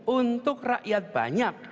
untuk rakyat banyak